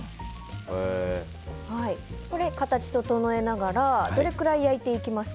形を整えながらどれくらい焼いていきますか？